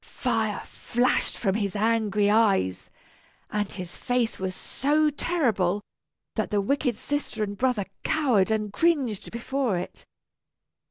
Fire flashed from his angry eyes, and his face was so terrible that the wicked sister and brother cowered and cringed before it.